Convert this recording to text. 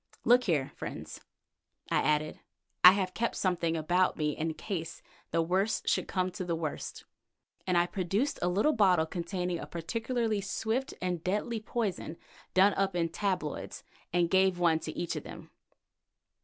Look here, friends," I added, "I have kept something about me in case the worst should come to the worst," and I produced a little bottle containing a particularly swift and deadly poison done up into tabloids, and gave one to each of them.